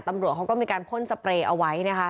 ตำรวจเขาก็มีการพ่นสเปรย์เอาไว้นะคะ